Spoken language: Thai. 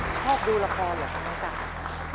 ชอบดูละครเหรอคะน้องการ